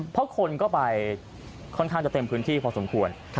เพราะคนก็ไปค่อนข้างจะเต็มพื้นที่พอสมควร